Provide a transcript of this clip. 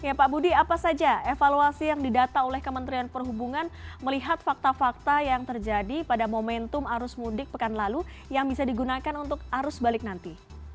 oke pak budi apa saja evaluasi yang didata oleh kementerian perhubungan melihat fakta fakta yang terjadi pada momentum arus mudik pekan lalu yang bisa digunakan untuk arus balik nanti